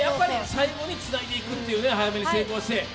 最後につないでいくというね、早めに成功して。